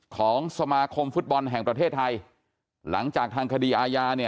ของสมาคมฟุตบอลแห่งประเทศไทยหลังจากทางคดีอาญาเนี่ย